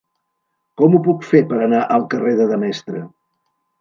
Com ho puc fer per anar al carrer de Demestre?